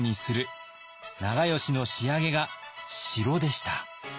長慶の仕上げが城でした。